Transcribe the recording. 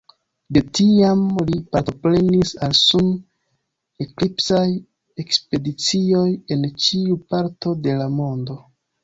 De tiam, li partoprenis al sun-eklipsaj ekspedicioj en ĉiuj parto de la mondo.